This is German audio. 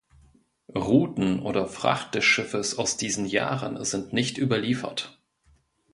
Routen oder Fracht des Schiffes aus diesen Jahren sind nicht überliefert.